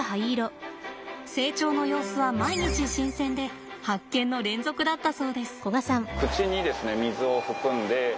成長の様子は毎日新鮮で発見の連続だったそうです。